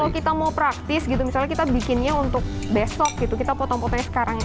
kalau kita mau praktis gitu misalnya kita bikinnya untuk besok gitu kita potong potong sekarang